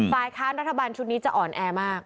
ฝ่ายค้านรัฐบาลชุดนี้จะอ่อนแอมาก